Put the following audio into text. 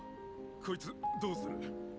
・こいつどうする？